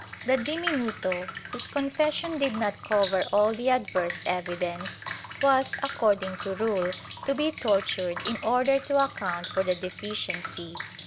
^ The diminuto, whose confession did not cover all the adverse evidence, was, according to rule, to be tortured in order to account for the deficiency.